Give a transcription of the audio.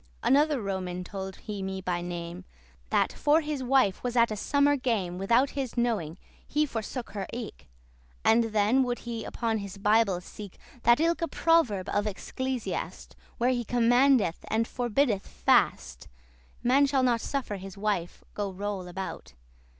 Another Roman <27> told he me by name, That, for his wife was at a summer game Without his knowing, he forsook her eke. And then would he upon his Bible seek That ilke* proverb of Ecclesiast, *same Where he commandeth, and forbiddeth fast, Man shall not suffer his wife go roll about.